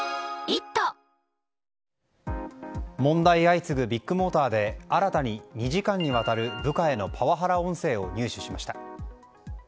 問題相次ぐビッグモーターで新たに２時間にわたる部下へのパワハラ音声を入手しました。